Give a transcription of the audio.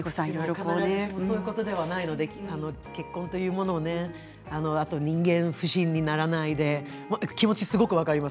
必ずすることではないので結婚というものをあとは人間不信にならないで気持ちはすごく分かります。